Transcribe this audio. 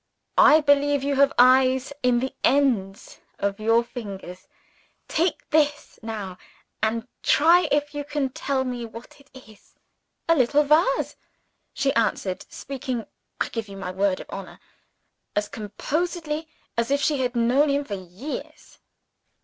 "I believe you have eyes in the ends of your fingers. Take this, now and try if you can tell me what it is." "A little vase," she answered speaking, I give you my word of honor, as composedly as if she had known him for years.